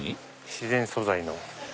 「自然素材の」